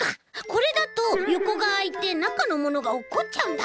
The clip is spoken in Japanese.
これだとよこがあいてなかのものがおっこっちゃうんだ。